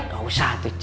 gak usah tuh cuy